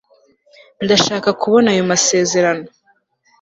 ndashaka kubona ayo masezerano